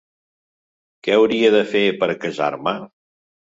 Que hauria de fer per casar-me?